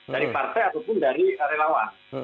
dari partai ataupun dari relawan